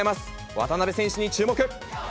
渡辺選手に注目。